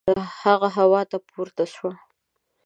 هغه هوا ته پورته شو.